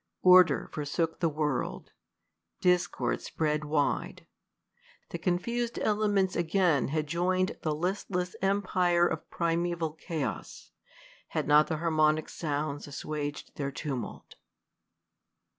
Order forsook the world : discord spread w^ide. The confus'd elements again had join'd The listless empire of primeval chaos. Had not harmonic sounds assuag'd their tumult.